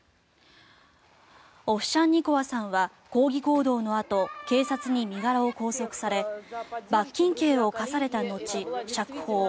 オフシャンニコワさんは抗議行動のあと警察に身柄を拘束され罰金刑を科された後、釈放。